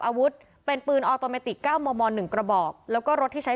อาวุธเป็นปืนออตโมมอนหนึ่งกระบอกแล้วก็รถที่ใช้